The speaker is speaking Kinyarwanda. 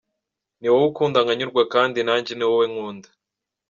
Ni wowe ukunda nkanyurwa kandi nanjye ni wowe nkunda".